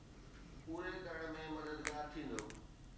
”پوري ڪرڻ ۾ مددگار ٿيندو؟